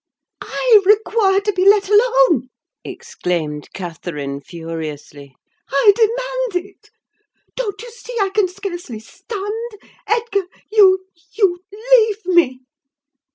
"I require to be let alone!" exclaimed Catherine, furiously. "I demand it! Don't you see I can scarcely stand? Edgar, you—you leave me!"